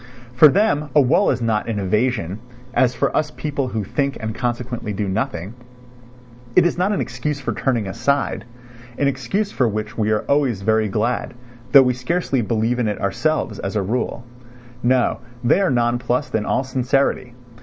For them a wall is not an evasion, as for us people who think and consequently do nothing; it is not an excuse for turning aside, an excuse for which we are always very glad, though we scarcely believe in it ourselves, as a rule. No, they are nonplussed in all sincerity.